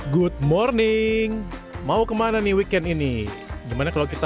good morning mau kemana nih weekend ini gimana kalau kita